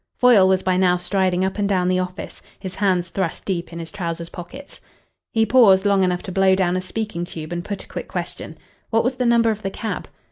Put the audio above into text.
Foyle was by now striding up and down the office, his hands thrust deep in his trousers pockets. He paused long enough to blow down a speaking tube and put a quick question. "What was the number of the cab?"